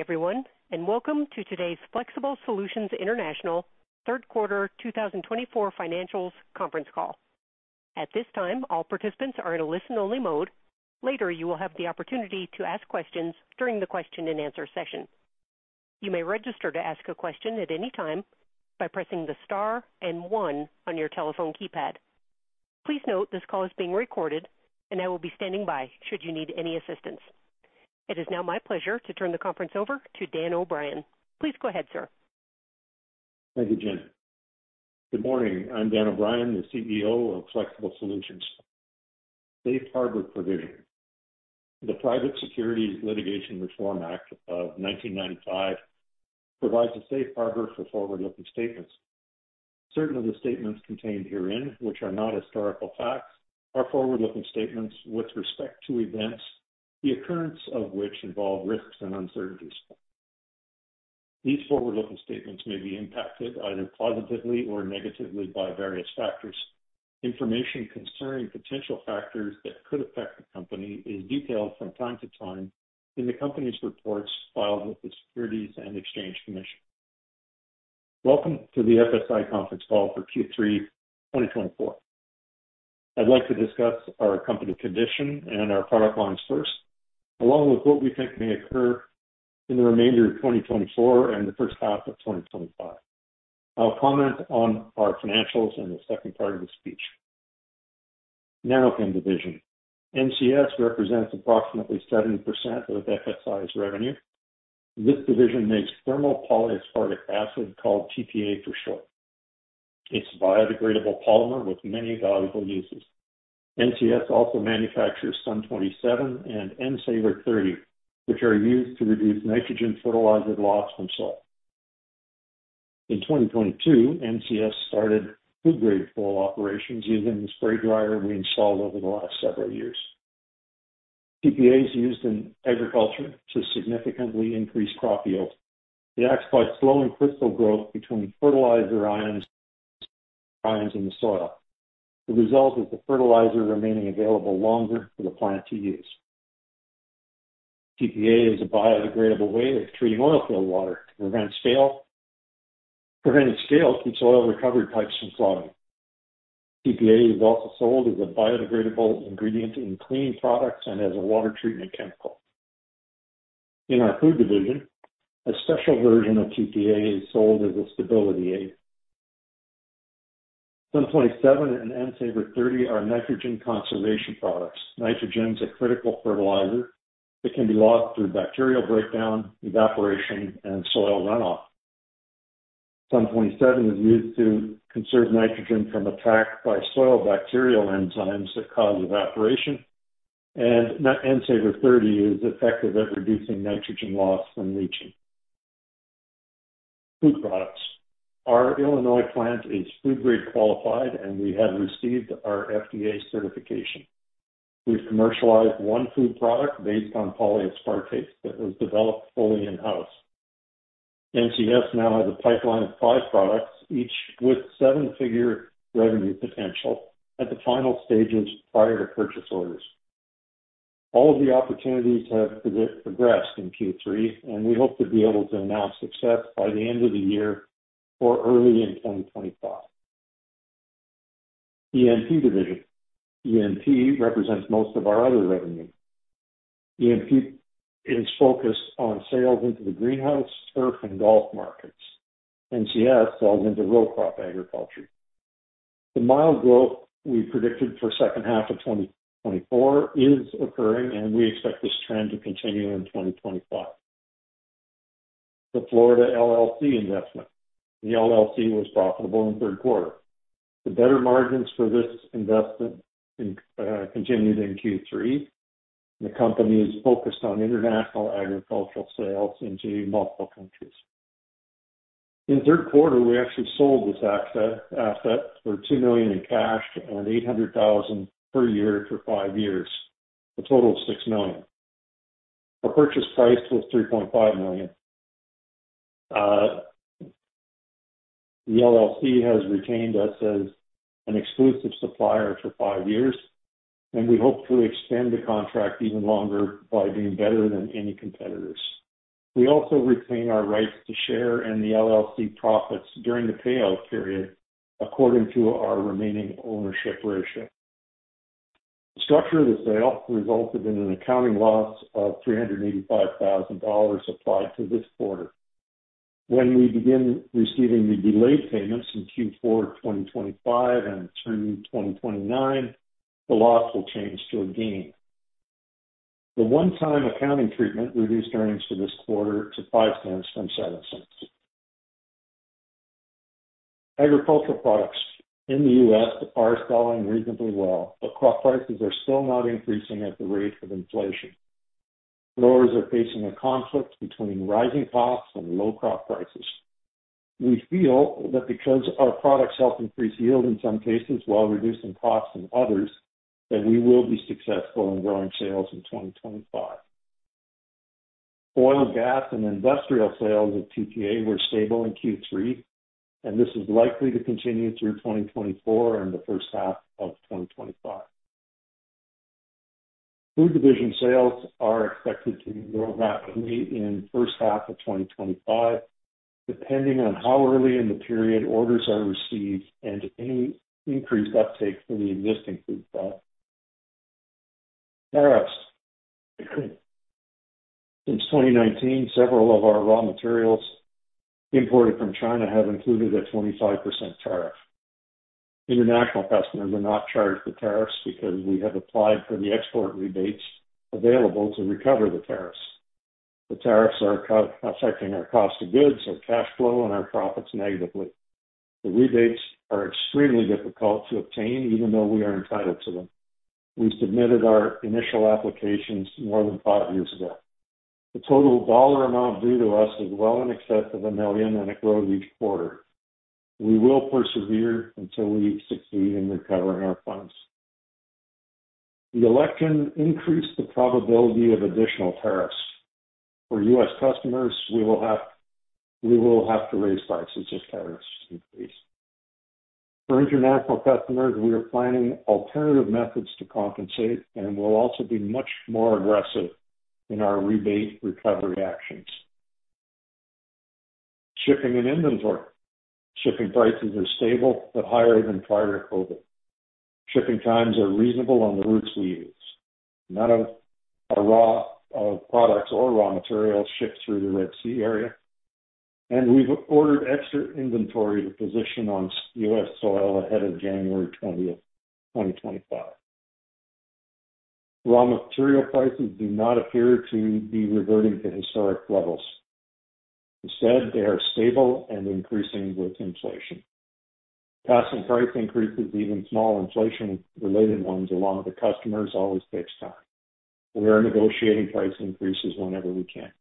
Hey everyone, and welcome to today's Flexible Solutions International third quarter 2024 financials conference call. At this time, all participants are in a listen-only mode. Later, you will have the opportunity to ask questions during the question-and-answer session. You may register to ask a question at any time by pressing the star and one on your telephone keypad. Please note this call is being recorded, and I will be standing by should you need any assistance. It is now my pleasure to turn the conference over to Dan O'Brien. Please go ahead, sir. Thank you, Jen. Good morning. I'm Dan O'Brien, the CEO of Flexible Solutions. Safe Harbor Provisions. The Private Securities Litigation Reform Act of 1995 provides a safe harbor for forward-looking statements. Certainly, the statements contained herein, which are not historical facts, are forward-looking statements with respect to events, the occurrence of which involve risks and uncertainties. These forward-looking statements may be impacted either positively or negatively by various factors. Information concerning potential factors that could affect the company is detailed from time to time in the company's reports filed with the Securities and Exchange Commission. Welcome to the FSI conference call for Q3 2024. I'd like to discuss our company's condition and our product lines first, along with what we think may occur in the remainder of 2024 and the first half of 2025. I'll comment on our financials in the second part of the speech. Now, the NCS division represents approximately 70% of FSI's revenue. This division makes thermal polyaspartic acid, called TPA for short. It's a biodegradable polymer with many valuable uses. NCS also manufactures SUN 27 and N-Saver 30, which are used to reduce nitrogen fertilizer loss from soil. In 2022, NCS started food-grade toll operations using the spray dryer we installed over the last several years. TPA is used in agriculture to significantly increase crop yield. It acts by slowing crystal growth between fertilizer ions in the soil. The result is the fertilizer remaining available longer for the plant to use. TPA is a biodegradable way of treating oilfield water to prevent scale. Preventing scale keeps oil recovery pipes from clogging. TPA is also sold as a biodegradable ingredient in cleaning products and as a water treatment chemical. In our food division, a special version of TPA is sold as a stability aid. SUN 27 and N-Saver 30 are nitrogen conservation products. Nitrogen is a critical fertilizer that can be lost through bacterial breakdown, evaporation, and soil runoff. SUN 27 is used to conserve nitrogen from attack by soil bacterial enzymes that cause evaporation, and N-Saver 30 is effective at reducing nitrogen loss from leaching. Food products. Our Illinois plant is food-grade qualified, and we have received our FDA certification. We've commercialized one food product based on polyaspartates that was developed fully in-house. NCS now has a pipeline of five products, each with seven-figure revenue potential at the final stages prior to purchase orders. All of the opportunities have progressed in Q3, and we hope to be able to announce success by the end of the year or early in 2025. EMP division. EMP represents most of our other revenue. EMP is focused on sales into the greenhouse, turf, and golf markets. NCS sells into row crop agriculture. The mild growth we predicted for the second half of 2024 is occurring, and we expect this trend to continue in 2025. The Florida LLC investment. The LLC was profitable in the third quarter. The better margins for this investment continued in Q3. The company is focused on international agricultural sales into multiple countries. In the third quarter, we actually sold this asset for $2 million in cash and $800,000 per year for five years, a total of $6 million. Our purchase price was $3.5 million. The LLC has retained us as an exclusive supplier for five years, and we hope to extend the contract even longer by being better than any competitors. We also retain our rights to share in the LLC profits during the payout period according to our remaining ownership ratio. The structure of the sale resulted in an accounting loss of $385,000 applied to this quarter. When we begin receiving the delayed payments in Q4 2025 and through 2029, the loss will change to a gain. The one-time accounting treatment reduced earnings for this quarter to $0.05 from $0.07. Agricultural products in the U.S. are selling reasonably well, but crop prices are still not increasing at the rate of inflation. Growers are facing a conflict between rising costs and low crop prices. We feel that because our products help increase yield in some cases while reducing costs in others, that we will be successful in growing sales in 2025. Oil, gas, and industrial sales of TPA were stable in Q3, and this is likely to continue through 2024 and the first half of 2025. Food division sales are expected to grow rapidly in the first half of 2025, depending on how early in the period orders are received and any increased uptake for the existing []. Tariffs. Since 2019, several of our raw materials imported from China have included a 25% tariff. International customers are not charged the tariffs because we have applied for the export rebates available to recover the tariffs. The tariffs are affecting our cost of goods, our cash flow, and our profits negatively. The rebates are extremely difficult to obtain, even though we are entitled to them. We submitted our initial applications more than five years ago. The total dollar amount due to us is well in excess of $1 million, and it grows each quarter. We will persevere until we succeed in recovering our funds. The election increased the probability of additional tariffs. For U.S. Customers, we will have to raise prices if tariffs increase. For international customers, we are planning alternative methods to compensate, and we'll also be much more aggressive in our rebate recovery actions. Shipping and inventory. Shipping prices are stable, but higher than prior to COVID. Shipping times are reasonable on the routes we use. None of our raw products or raw materials ship through the Red Sea area, and we've ordered extra inventory to position on U.S. soil ahead of January 20th, 2025. Raw material prices do not appear to be reverting to historic levels. Instead, they are stable and increasing with inflation. Passing price increases, even small inflation-related ones along with the customers, always takes time. We are negotiating price increases whenever we can.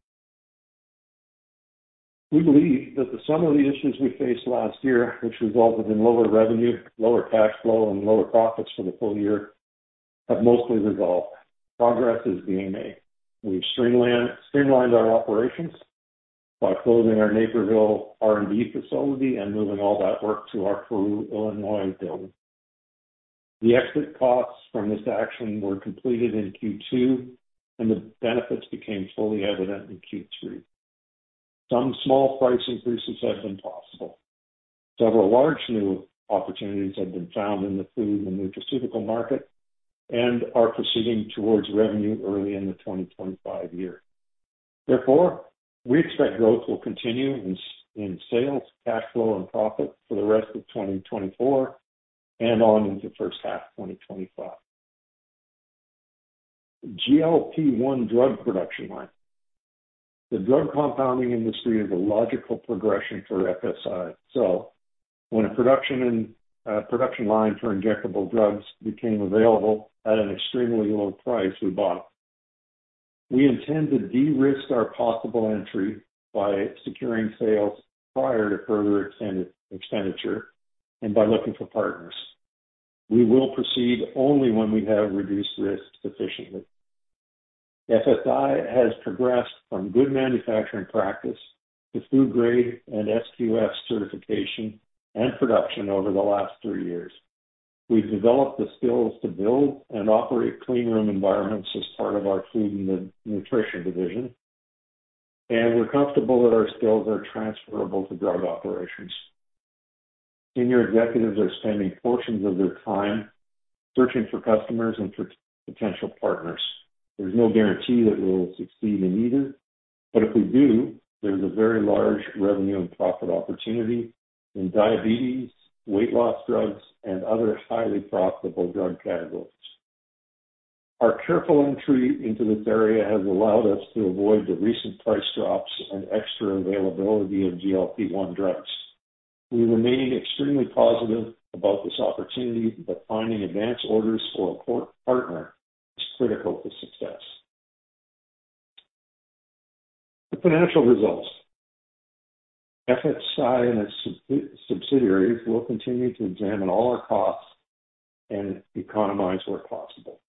We believe that the sum of the issues we faced last year, which resulted in lower revenue, lower cash flow, and lower profits for the full year, have mostly resolved. Progress is being made. We've streamlined our operations by closing our Naperville R&D facility and moving all that work to our Peru, Illinois building. The exit costs from this action were completed in Q2, and the benefits became fully evident in Q3. Some small price increases have been possible. Several large new opportunities have been found in the food and nutraceutical market and are proceeding towards revenue early in the 2025 year. Therefore, we expect growth will continue in sales, cash flow, and profits for the rest of 2024 and on into the first half of 2025. GLP-1 drug production line. The drug compounding industry is a logical progression for FSI. When a production line for injectable drugs became available at an extremely low price, we bought it. We intend to de-risk our possible entry by securing sales prior to further expenditure and by looking for partners. We will proceed only when we have reduced risks sufficiently. FSI has progressed from Good Manufacturing Practice to food-grade and SQF certification and production over the last three years. We've developed the skills to build and operate clean room environments as part of our food and nutrition division, and we're comfortable that our skills are transferable to drug operations. Senior executives are spending portions of their time searching for customers and for potential partners. There's no guarantee that we'll succeed in either, but if we do, there's a very large revenue and profit opportunity in diabetes, weight loss drugs, and other highly profitable drug categories. Our careful entry into this area has allowed us to avoid the recent price drops and extra availability of GLP-1 drugs. We remain extremely positive about this opportunity, but finding advance orders for a partner is critical to success. The financial results. FSI and its subsidiaries will continue to examine all our costs and economize where possible.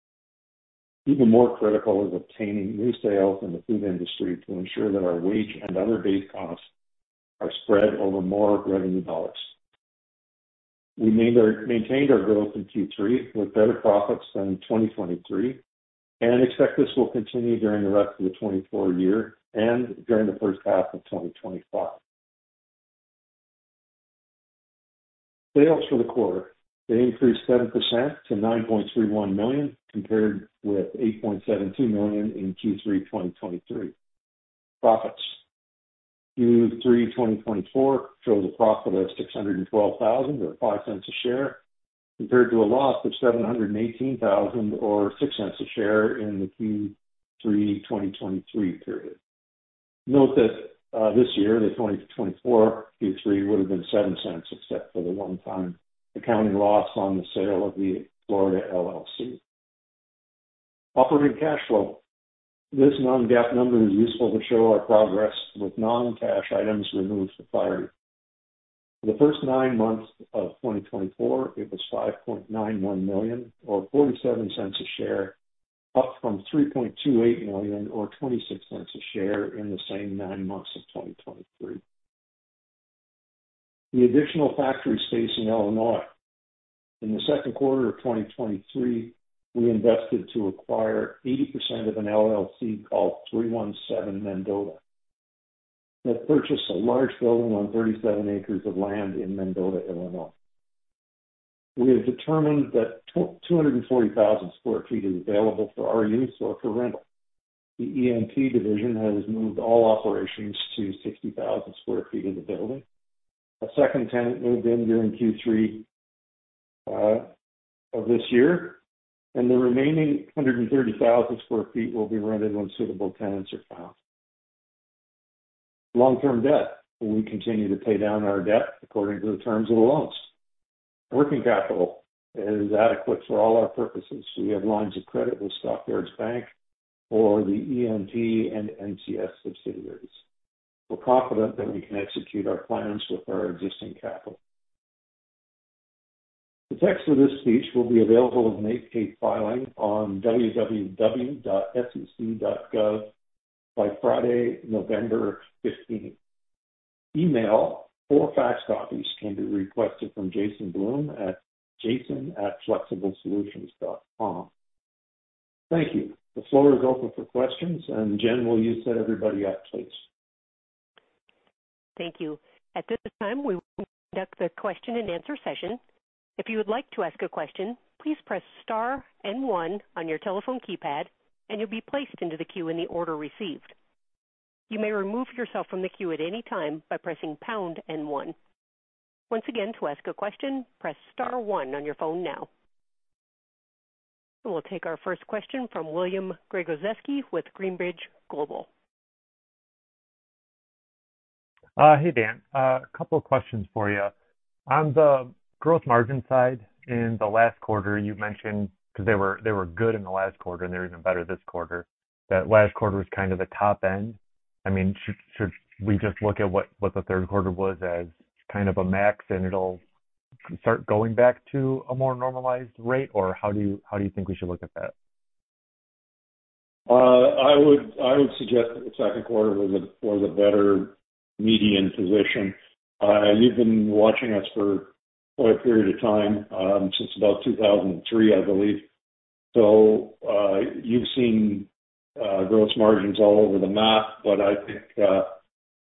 Even more critical is obtaining new sales in the food industry to ensure that our wage and other base costs are spread over more revenue dollars. We maintained our growth in Q3 with better profits than 2023 and expect this will continue during the rest of the 2024 year and during the first half of 2025. Sales for the quarter. They increased 7% to $9.31 million compared with $8.72 million in Q3 2023. Profits. Q3 2024 shows a profit of $612,000 or $0.05 a share compared to a loss of $718,000 or $0.06 a share in the Q3 2023 period. Note that this year, the 2024 Q3 would have been $0.07 except for the one-time accounting loss on the sale of the Florida LLC. Operating cash flow. This non-GAAP number is useful to show our progress with non-cash items removed for clarity. For the first nine months of 2024, it was $5.91 million or $0.47 a share, up from $3.28 million or $0.26 a share in the same nine months of 2023. The additional factory space in Illinois. In the second quarter of 2023, we invested to acquire 80% of an LLC called 317 Mendota that purchased a large building on 37 acres of land in Mendota, Illinois. We have determined that 240,000 sq ft is available for our use or for rental. The EMP division has moved all operations to 60,000 sq ft of the building. A second tenant moved in during Q3 of this year, and the remaining 130,000 sq ft will be rented when suitable tenants are found. Long-term debt. We continue to pay down our debt according to the terms of the loans. Working capital is adequate for all our purposes. We have lines of credit with Stock Yards Bank or the EMP and NCS subsidiaries. We're confident that we can execute our plans with our existing capital. The text of this speech will be available as an 8-page filing on www.sec.gov by Friday, November 15th. Email or fax copies can be requested from Jason Bloom at jason@flexiblesolutions.com. Thank you. The floor is open for questions, and Jen, will you set everybody up, please? Thank you. At this time, we will conduct the question-and-answer session. If you would like to ask a question, please press Star and one on your telephone keypad, and you'll be placed into the queue in the order received. You may remove yourself from the queue at any time by pressing Pound and one. Once again, to ask a question, press Star one on your phone now. And we'll take our first question from William Gregozeski with Greenridge Global. Hey, Dan. A couple of questions for you. On the growth margin side in the last quarter, you mentioned because they were good in the last quarter, and they're even better this quarter, that last quarter was kind of the top end. I mean, should we just look at what the third quarter was as kind of a max, and it'll start going back to a more normalized rate, or how do you think we should look at that? I would suggest that the second quarter was a better median position. You've been watching us for quite a period of time, since about 2003, I believe. So you've seen growth margins all over the map, but I think,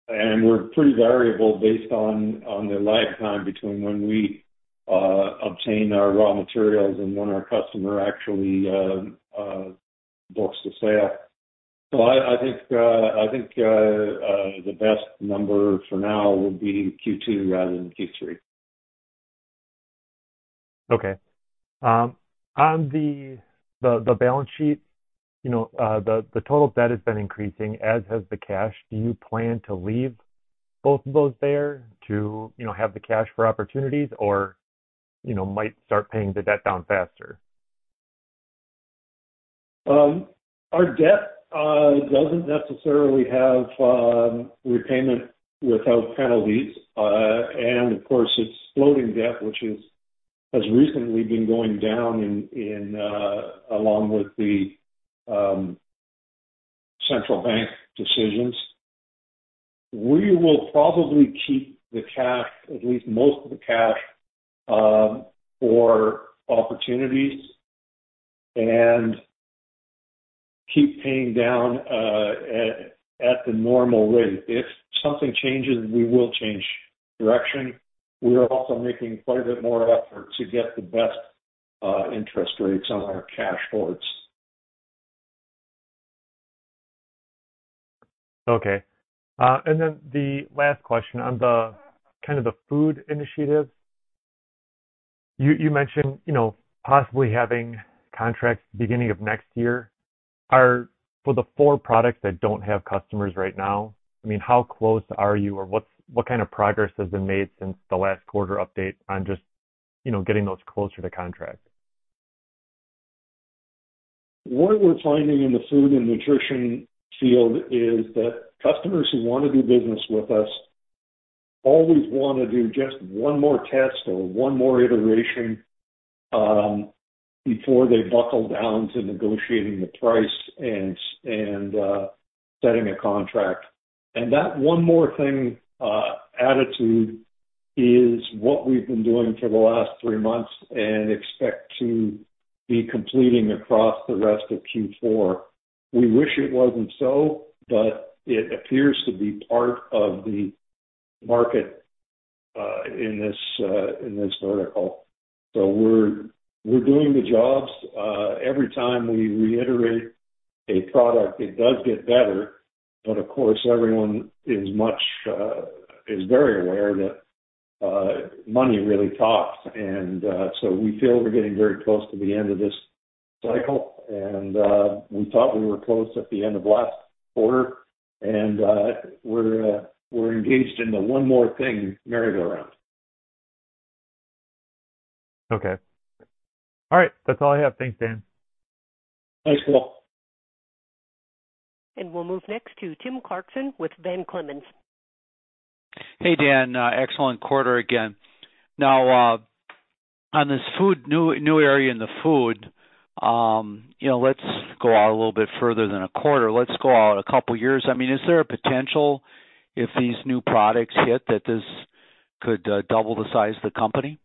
and we're pretty variable based on the lag time between when we obtain our raw materials and when our customer actually books the sale. So I think the best number for now will be Q2 and Q3. Okay. On the balance sheet, the total debt has been increasing, as has the cash. Do you plan to leave both of those there to have the cash for opportunities, or might start paying the debt down faster? Our debt doesn't necessarily have repayment without penalties. And of course, it's floating debt, which has recently been going down along with the central bank decisions. We will probably keep the cash, at least most of the cash, for opportunities and keep paying down at the normal rate. If something changes, we will change direction. We're also making quite a bit more effort to get the best interest rates on our cash ports. Okay. And then the last question on kind of the food initiatives. You mentioned possibly having contracts beginning of next year. For the four products that don't have customers right now, I mean, how close are you, or what kind of progress has been made since the last quarter update on just getting those closer to contract? What we're finding in the food and nutrition field is that customers who want to do business with us always want to do just one more test or one more iteration before they buckle down to negotiating the price and setting a contract. And that one more thing attitude is what we've been doing for the last three months and expect to be completing across the rest of Q4. We wish it wasn't so, but it appears to be part of the market in this vertical. So we're doing the jobs. Every time we reiterate a product, it does get better, but of course, everyone is very aware that money really talks. We feel we're getting very close to the end of this cycle, and we thought we were close at the end of last quarter, and we're engaged in the one more thing merry-go-round. Okay. All right. That's all I have. Thanks, Dan. Thanks, William. And we'll move next to Tim Clarkson with Van Clemens. Hey, Dan. Excellent quarter again. Now, on this new area in the food, let's go out a little bit further than a quarter. Let's go out a couple of years. I mean, is there a potential if these new products hit that this could double the size of the company?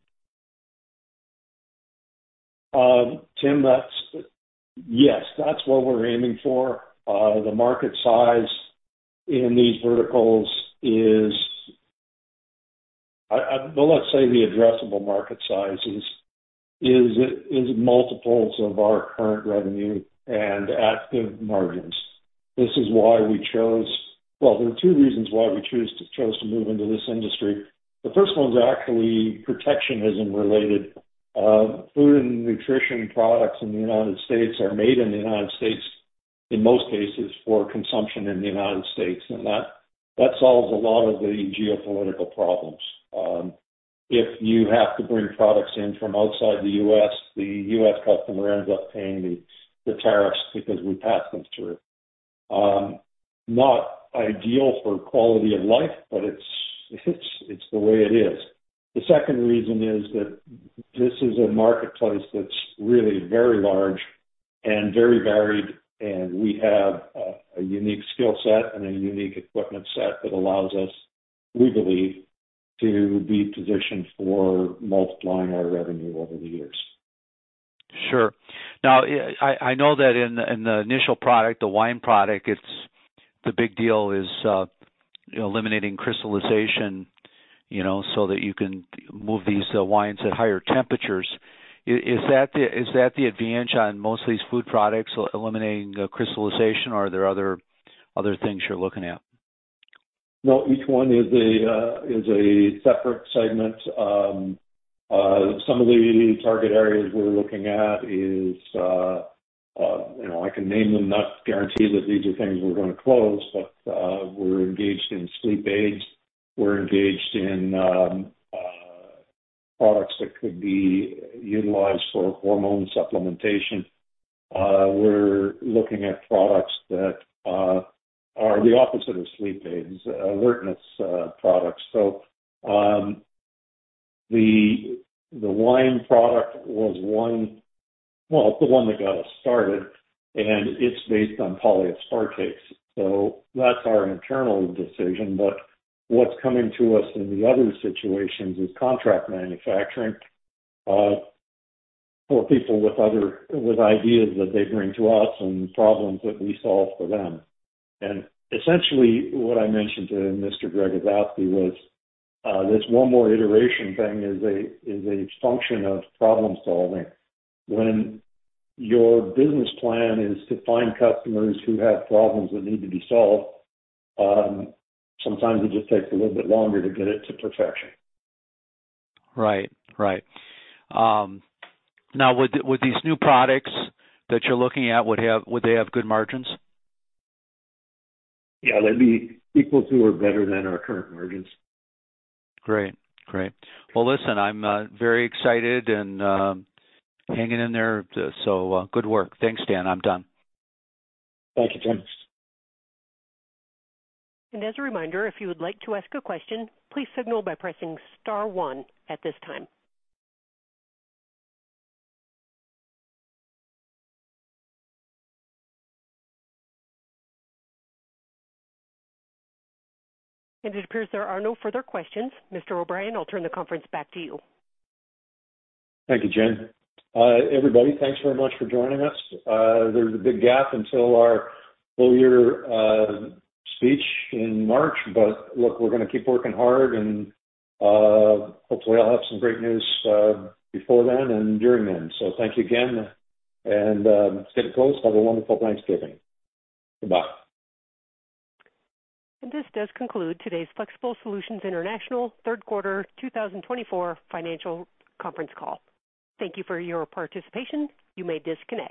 Tim, yes, that's what we're aiming for. The market size in these verticals is, well, let's say the addressable market size is multiples of our current revenue and attractive margins. This is why we chose, well, there are two reasons why we chose to move into this industry. The first one is actually protectionism-related. Food and nutrition products in the United States are made in the United States in most cases for consumption in the United States, and that solves a lot of the geopolitical problems. If you have to bring products in from outside the U.S., the U.S. customer ends up paying the tariffs because we pass them through. Not ideal for quality of life, but it's the way it is. The second reason is that this is a marketplace that's really very large and very varied, and we have a unique skill set and a unique equipment set that allows us, we believe, to be positioned for multiplying our revenue over the years. Sure. Now, I know that in the initial product, the wine product, the big deal is eliminating crystallization so that you can move these wines at higher temperatures. Is that the advantage on most of these food products, eliminating crystallization, or are there other things you're looking at? No, each one is a separate segment. Some of the target areas we're looking at is, I can name them, not guarantee that these are things we're going to close, but we're engaged in sleep aids. We're engaged in products that could be utilized for hormone supplementation. We're looking at products that are the opposite of sleep aids, alertness products. So the wine product was one, well, the one that got us started, and it's based on polyaspartates. So that's our internal decision, but what's coming to us in the other situations is contract manufacturing for people with ideas that they bring to us and problems that we solve for them. And essentially, what I mentioned to Mr. Gregozeski was this one more iteration thing is a function of problem-solving. When your business plan is to find customers who have problems that need to be solved, sometimes it just takes a little bit longer to get it to perfection. Right. Right. Now, would these new products that you're looking at, would they have good margins? Yeah, they'd be equal to or better than our current margins. Great. Great. Well, listen, I'm very excited and hanging in there, so good work. Thanks, Dan. I'm done. Thank you, Tim. And as a reminder, if you would like to ask a question, please signal by pressing Star 1 at this time. And it appears there are no further questions. Mr. O'Brien, I'll turn the conference back to you. Thank you, Jen. Everybody, thanks very much for joining us. There's a big gap until our full-year speech in March, but look, we're going to keep working hard, and hopefully, I'll have some great news before then and during then. So thank you again, and stay close. Have a wonderful Thanksgiving. Goodbye. And this does conclude today's Flexible Solutions International third quarter 2024 financial conference call. Thank you for your participation. You may disconnect.